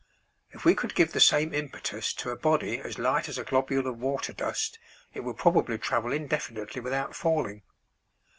If we could give the same impetus to a body as light as a globule of water dust it would probably travel indefinitely without falling.